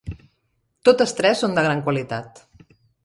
Totes tres són de gran qualitat.